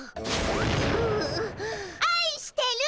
あいしてる！